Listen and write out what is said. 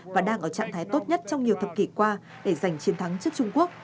và đang ở trạng thái tốt nhất trong nhiều thập kỷ qua để giành chiến thắng trước trung quốc